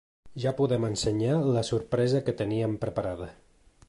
Ja podem ensenyar la sorpresa que teníem preparada.